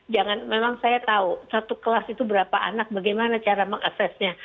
jangan memang saya tahu satu kelas itu berapa anak bagaimana cara mengaksesnya